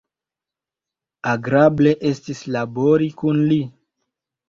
Agrable estis labori kun li.